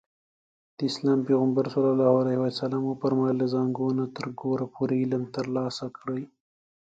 د اسلام پيغمبر ص وفرمايل له زانګو نه تر ګوره پورې علم ترلاسه کړئ.